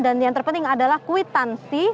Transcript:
dan yang terpenting adalah kuitansi